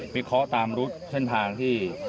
ไม่เค้าะตามรถทางทางที่